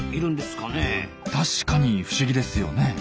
確かに不思議ですよね。